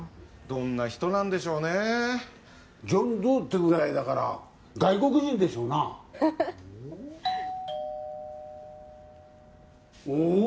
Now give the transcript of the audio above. どんな人なんでしょうねジョン・ドゥってぐらいだから外国人でしょうなおお？